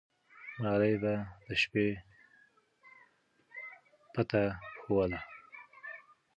ملالۍ به د شپې پته ښووله.